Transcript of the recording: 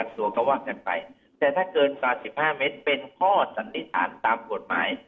แต่ถ้าเกินกว่าสิบห้าเมตรเป็นข้อสันนิษฐานตามกฎหมาย